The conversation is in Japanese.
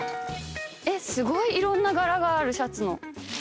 すごいいろんな柄があるシャツの。